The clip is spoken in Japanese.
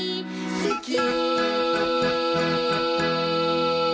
「すき」